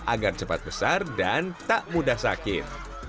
agar cepat besar dan tak mudah sakit